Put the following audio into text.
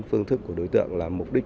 phương thức của đối tượng là mục đích